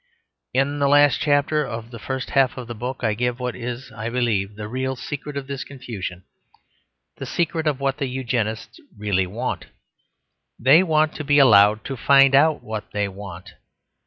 In the last chapter of the first half of the book I give what is, I believe, the real secret of this confusion, the secret of what the Eugenists really want. They want to be allowed to find out what they want.